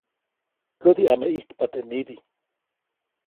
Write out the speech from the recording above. Kädi ʼame ʼijtapa teʼ nibi.